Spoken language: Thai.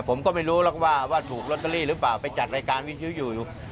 ผมก็ไม่รู้หรอกว่าว่าถูกลอตเตอรี่หรือเปล่าไปจัดรายการวิทยุอยู่